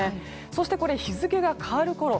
そして、日付が変わるころ